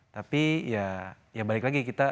tapi ya ya balik lagi kita